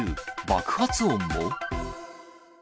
爆発音も？